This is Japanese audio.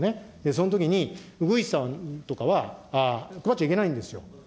そのときに、ウグイスさんとかは配っちゃいけないんですよ。